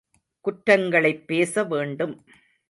குற்றங்களைப் பேச வேண்டும்.